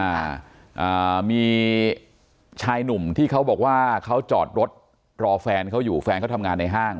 อ่าอ่ามีชายหนุ่มที่เขาบอกว่าเขาจอดรถรอแฟนเขาอยู่แฟนเขาทำงานในห้าง